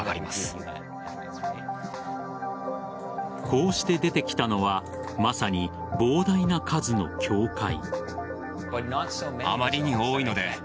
こうして出てきたのはまさに膨大な数の教会。